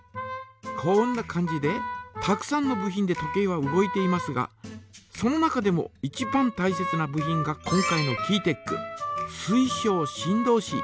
こんな感じでたくさんの部品で時計は動いていますがその中でもいちばんたいせつな部品が今回のキーテック水晶振動子。